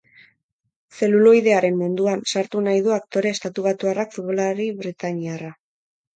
Zeluloidearen munduan sartu nahi du aktore estatubatuarrak futbolari britainiarra.